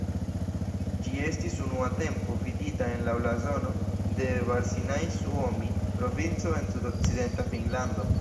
Ĝi estis unua tempo vidita en la blazono de Varsinais-Suomi, provinco en sudokcidenta Finnlando.